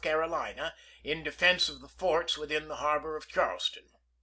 Carolina in defense of the forts within the harbor of Charleston.